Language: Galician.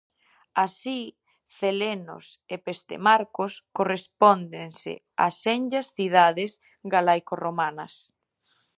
Así, Celenos e Pestemarcos correspóndense a senllas cidades galaico-romanas: